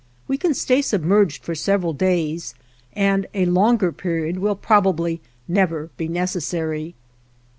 We can stay submerged for several days, and a longer period will probably never be necessary.